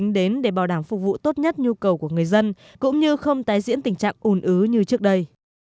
đến để bảo đảm phục vụ tốt nhất nhu cầu của người dân cũng như không tái diễn tình trạng ồn ứ như trước đây